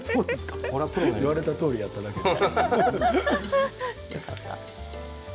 言われたとおりにやっただけです。